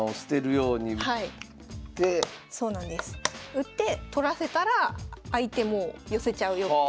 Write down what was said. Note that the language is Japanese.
打って取らせたら相手もう寄せちゃうよって。